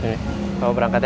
ini bawa berangkat ya